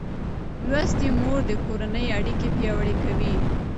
لوستې مور د کورنۍ اړیکې پیاوړې کوي.